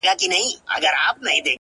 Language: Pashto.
نه چي اختر نمانځلی نه چي پسرلی نمانځلی _